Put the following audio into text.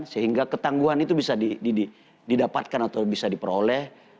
sehingga ketangguhan itu bisa didapatkan atau bisa diperoleh